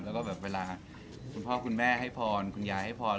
แล้วก็แบบเวลาคุณพ่อคุณแม่ให้พรคุณยายให้พร